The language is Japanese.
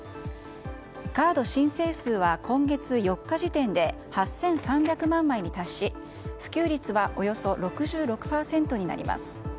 カード申請数は今月４日時点で８３００万枚に達し普及率はおよそ６６％になります。